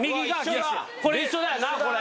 これ一緒だよな！